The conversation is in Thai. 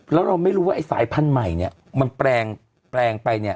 และเราไม่รู้ว่าสายพันธุ์ใหม่มันแปลงไป